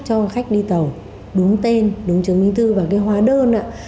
chính xác cho khách đi tàu đúng tên đúng chứng minh thư và cái hóa đơn ạ